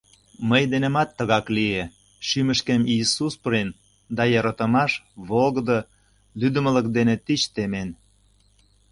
Мый денемат тыгак лие: шӱмышкем Иисус пурен, да йӧратымаш, волгыдо, лӱддымылык дене тич темен...»